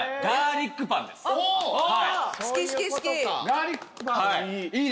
ガーリックパンいい！